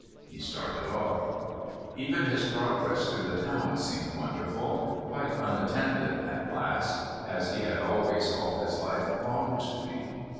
He started off. Even his progress through the town seemed wonderful, quite unattended at last, as he had always all his life longed to be.